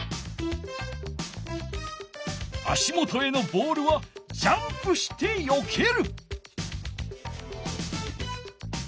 足もとへのボールはジャンプしてよける。